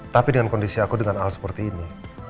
tapi dengan kondisi aku dengan hal seperti ini